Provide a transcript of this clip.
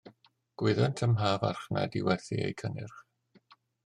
Gwyddant ym mha farchnad i werthu eu cynnyrch.